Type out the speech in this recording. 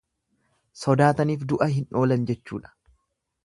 Sodaataniif du'a hin oolan jechuudha.